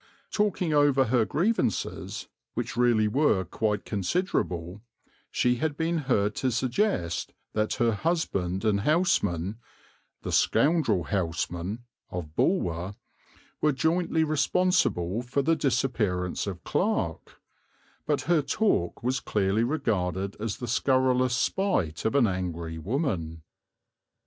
Talking over her grievances, which really were quite considerable, she had been heard to suggest that her husband and Houseman, "the scoundrel Houseman" of Bulwer, were jointly responsible for the disappearance of Clarke, but her talk was clearly regarded as the scurrilous spite of an angry woman.